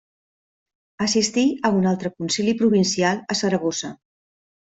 Assistí a un altre concili provincial a Saragossa.